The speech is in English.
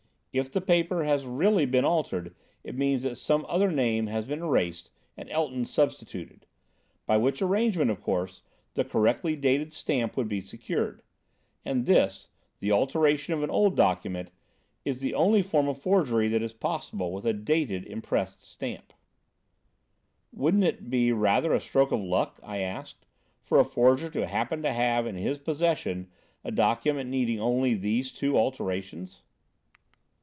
If the paper has really been altered, it means that some other name has been erased and Elton's substituted; by which arrangement, of course, the correctly dated stamp would be secured. And this—the alteration of an old document—is the only form of forgery that is possible with a dated, impressed stamp." "Wouldn't it be rather a stroke of luck," I asked, "for a forger to happen to have in his possession a document needing only these two alterations?"